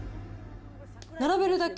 並べるだけ。